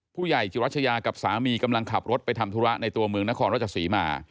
จุรัชยากับสามีกำลังขับรถไปทำธุระในตัวเมืองนครราชศรีมา